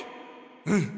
うん。